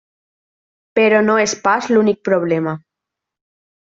Però no és pas l'únic problema.